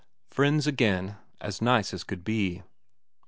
Friends again, as nice as could be.